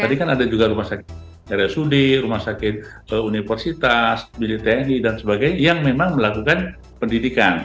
tadi kan ada juga rumah sakit area sudi rumah sakit universitas bdtni dan sebagainya yang memang melakukan pendidikan